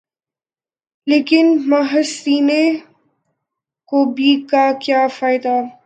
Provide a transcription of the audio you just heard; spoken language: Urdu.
لیکن محض سینہ کوبی کا کیا فائدہ؟